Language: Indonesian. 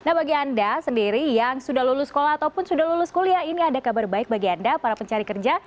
nah bagi anda sendiri yang sudah lulus sekolah ataupun sudah lulus kuliah ini ada kabar baik bagi anda para pencari kerja